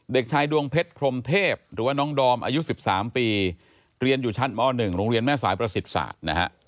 เด็กชายดวงเพชรพรมเทพหรือว่าน้องดอมอายุ๑๓ปีเรียนอยู่ชั้นม๑โรงเรียนแม่สายประสิทธิ์ศาสตร์นะฮะ